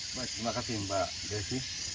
terima kasih mbak desy